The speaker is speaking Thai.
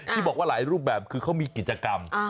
ที่บอกว่าหลายรูปแบบคือเขามีกิจกรรม